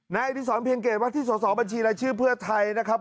อดิษรเพียงเกตว่าที่สอบบัญชีรายชื่อเพื่อไทยนะครับ